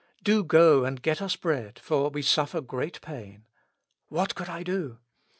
Do go, and get us bread, for we suffer great pain. What could I do ?